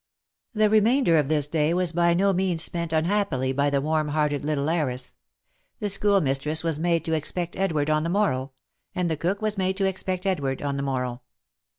The remainder of this day was by no means spent unhappily by the warm hearted little heiress. The schoolmistress was made to expect Edward on the morrow — and the cook was made to expect Edward on the morrow.